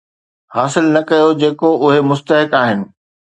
حاصل نه ڪيو جيڪو اهي مستحق آهن